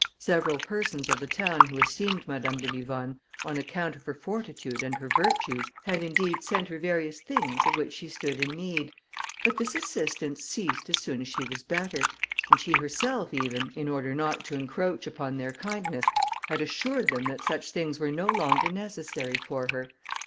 Several persons of the town who esteemed Madame de Livonne, on account of her fortitude and her virtues, had, indeed, sent her various things, of which she stood in need, but this assistance ceased as soon as she was better, and she herself even, in order not to encroach upon their kindness, had assured them that such things were no longer necessary for her.